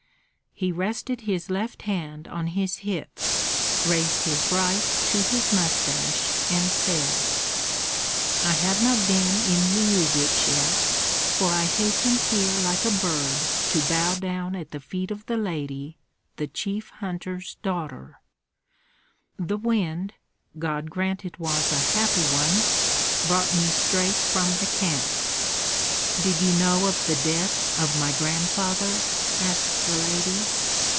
He rested his left hand on his hip, raised his right to his mustache, and said: "I have not been in Lyubich yet, for I hastened here like a bird to bow down at the feet of the lady, the chief hunter's daughter. The wind God grant it was a happy one! brought me straight from the camp." "Did you know of the death of my grandfather?" asked the lady.